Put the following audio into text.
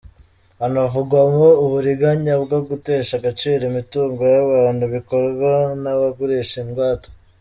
Hanavugwamo uburiganya bwo gutesha agaciro imitungo y’abantu bikorwa n’abagurisha ingwate.